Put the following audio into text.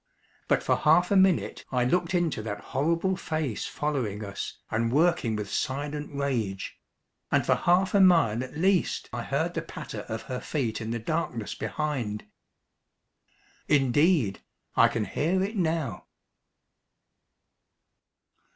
But for half a minute I looked into that horrible face following us and working with silent rage; and for half a mile at least I heard the patter of her feet in the darkness behind. Indeed, I can hear it now.